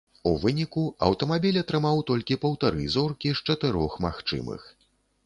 У выніку аўтамабіль атрымаў толькі паўтары зоркі з чатырох магчымых.